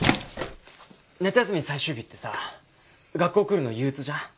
夏休み最終日ってさ学校来るの憂鬱じゃん。